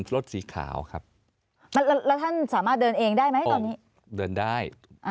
แล้วท่านสามารถเดินเองได้ไหมตอนนี้เดินได้